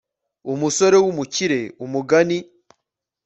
Umusore w umukire umugani